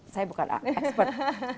saya bukan expert